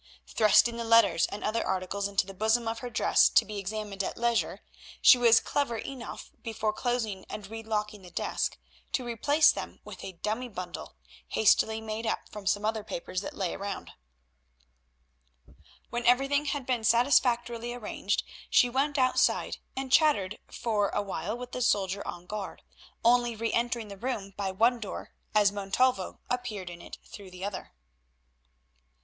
Thrusting the letters and other articles into the bosom of her dress to be examined at leisure, she was clever enough, before closing and re locking the desk, to replace them with a dummy bundle, hastily made up from some papers that lay about. When everything had been satisfactorily arranged she went outside and chattered for a while with the soldier on guard, only re entering the room by one door as Montalvo appeared in it through the other.